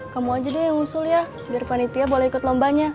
kamu aja deh yang usul ya biar panitia boleh ikut lombanya